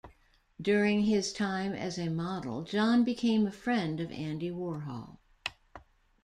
During his time as a model, John became a friend of Andy Warhol.